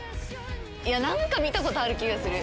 何か見たことある気がする。